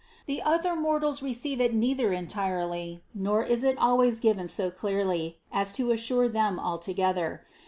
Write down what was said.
The other mortals receive it neither entirely, nor is it always given so clearly, as to assure them altogether.